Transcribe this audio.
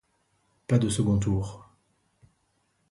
Pas de second tour.